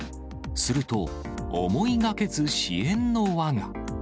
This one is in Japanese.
すると、思いがけず支援の輪が。